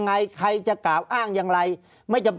ภารกิจสรรค์ภารกิจสรรค์